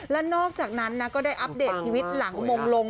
แล้วนอกจากนั้นนะก็ได้อัปเดตชีวิตหลังมงลง